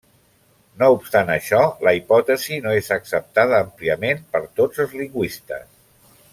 No obstant això, la hipòtesi no és acceptada àmpliament per tots els lingüistes.